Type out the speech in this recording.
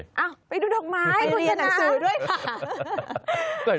อ้าวไปดูดอกไม้ไปเรียนหนังสือด้วยค่ะฮ่าไปเรียนหนังสือด้วยค่ะ